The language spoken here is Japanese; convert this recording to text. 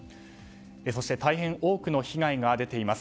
そして、大変多くの被害が出ています。